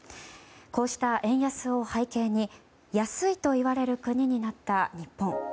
こうした円安を背景に安いといわれる国になった日本。